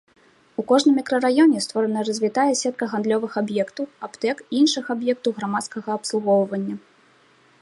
У кожным мікрараёне створана развітая сетка гандлёвых аб'ектаў, аптэк і іншых аб'ектаў грамадскага абслугоўвання.